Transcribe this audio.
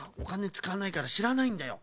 つかわないからしらないんだよ。